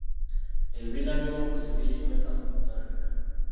Ebibiina by'obufuzi biri bimeka mu Uganda?